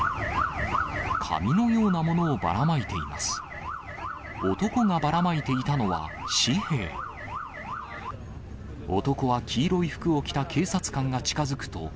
紙のようなものをばらまいています。